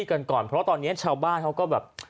กันก่อนเพราะตอนนี้ชาวบ้านเขาก็แบบ